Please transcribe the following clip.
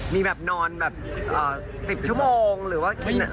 มีแบบนอนแบบ๑๐ชั่วโมงหรือว่า